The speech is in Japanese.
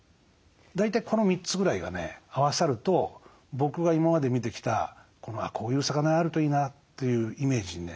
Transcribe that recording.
大体この３つぐらいがね合わさると僕が今まで見てきたこういう魚屋あるといいなというイメージにね